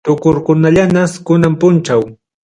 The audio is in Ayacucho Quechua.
Tukurqullanñas kunan punchaw.